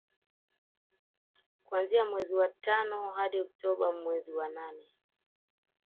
Kuanzia mwezi wa tano hadi Oktoba mezi wa nane